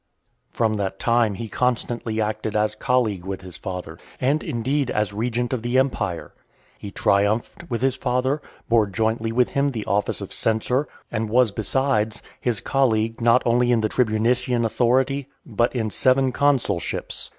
VI. From that time he constantly acted as colleague with his father, and, indeed, as regent of the empire. He triumphed (468) with his father, bore jointly with him the office of censor , and was, besides, his colleague not only in the tribunitian authority , but in seven consulships .